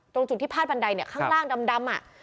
ตรงจุดที่พาดบันไดเนี่ยข้างล่างดำ